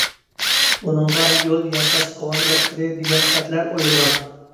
ئۇنىڭغا‹‹ يول ياساش ئاۋانگارتلىرى›› دېگەن خەتلەر ئويۇلغان.